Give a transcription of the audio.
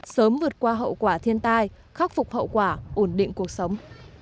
sớm vượt qua hậu quả thiên tai khắc phục hậu quả ổn định cuộc sống